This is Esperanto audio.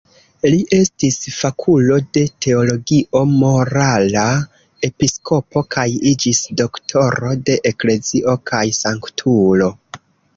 Li estis fakulo de teologio morala, episkopo kaj iĝis Doktoro de eklezio kaj sanktulo.